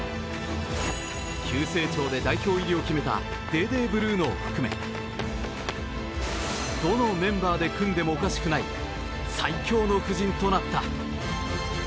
急成長で代表入りを決めたデーデー・ブルーノを含めどのメンバーで組んでもおかしくない最強の布陣となった。